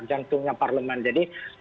jantungnya parlemen jadi